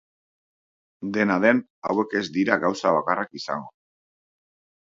Dena den, hauek ez dira gauza bakarrak izango.